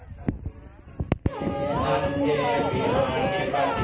ถือนี่ดี